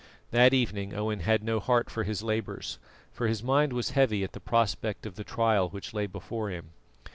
That evening Owen had no heart for his labours, for his mind was heavy at the prospect of the trial which lay before him.